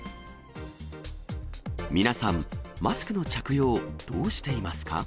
皆さん、マスクの着用、どうしていますか？